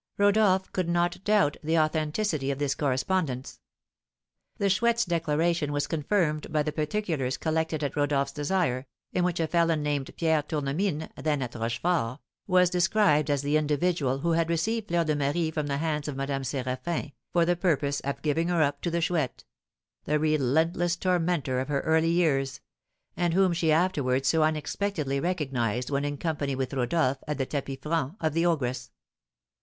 Rodolph could not doubt the authenticity of this correspondence. The Chouette's declaration was confirmed by the particulars collected at Rodolph's desire, in which a felon named Pierre Tournemine, then at Rochefort, was described as the individual who had received Fleur de Marie from the hands of Madame Séraphin, for the purpose of giving her up to the Chouette, the relentless tormentor of her early years, and whom she afterwards so unexpectedly recognised when in company with Rodolph at the tapis franc of the ogress.